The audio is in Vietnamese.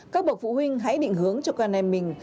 các bậc phụ huynh hãy định hướng cho con em mình